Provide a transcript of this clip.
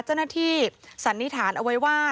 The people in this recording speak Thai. เจ้าหน้าที่สันนิษฐานเอาไว้ว่า